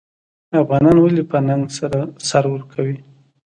افغانان ولې په ننګ سر ورکوي؟